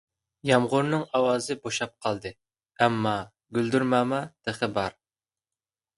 يامغۇرنىڭ ئاۋازى بوشاپ قالدى، ئەمما گۈلدۈرماما تېخى بار.